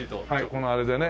このあれでね。